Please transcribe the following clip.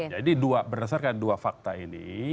berdasarkan dua fakta ini